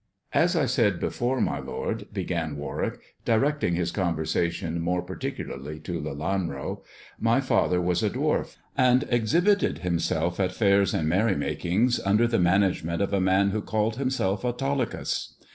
" As I said before, my lord," began Warwick, directing s conversation more particularly to Lelanro, *' my father eis a dwarf, and exhibited himself at fairs and merry akings, under the management of a man who called mself Autolycus.